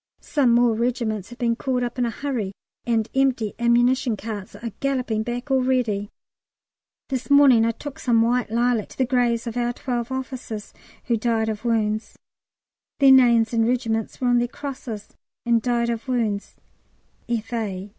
Some more regiments have been called up in a hurry, and empty ammunition carts are galloping back already. This morning I took some white lilac to the graves of our 12 officers who "died of wounds." Their names and regiments were on their crosses, and "Died of wounds. F.A.